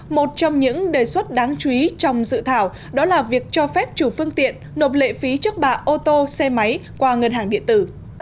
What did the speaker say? một trong những đề xuất đáng chú ý trong dự thảo đó là việc cho phép chủ phương tiện nộp lệ phí trước bạ ô tô xe máy qua ngân hàng điện tử